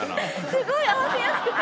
すごい合わせやすくて。